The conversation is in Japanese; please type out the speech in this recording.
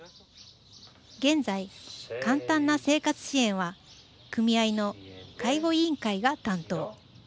現在、簡単な生活支援は組合の介護委員会が担当。